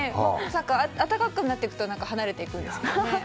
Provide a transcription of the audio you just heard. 暖かくなっていくと離れていくんですけどね。